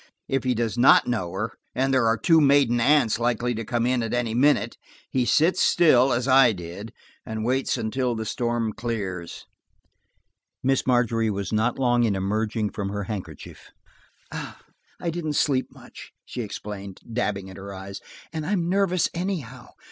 If he does not know her, and there are two maiden aunts likely to come in at any minute, he sits still, as I did, and waits until the storm clears. Miss Margery was not long in emerging from her handkerchief. "I didn't sleep much," she explained, dabbing at her eyes, "and I am nervous, anyhow. Mr.